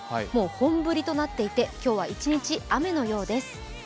本降りとなっていて今日は一日雨のようです。